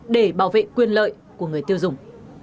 để bảo vệ quyền lợi của người tiêu dùng